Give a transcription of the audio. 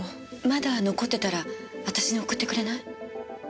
まだ残ってたら私に送ってくれない？